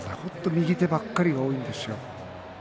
右手ばっかりが多いんですよ。